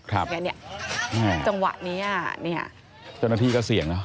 ครับอย่างเงี้ยจังหวะนี้อ่ะเนี่ยจำนาทีก็เสี่ยงอ่ะ